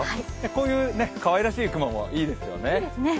こういうかわいらしい雲もいいですよね。